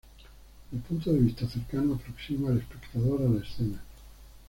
El punto de vista cercano aproxima al espectador a la escena.